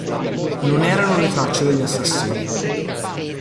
Non erano le tracce degli assassini.